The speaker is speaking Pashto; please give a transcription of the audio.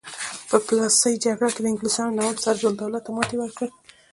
په پلاسۍ جګړه کې انګلیسانو نواب سراج الدوله ته ماتې ورکړه.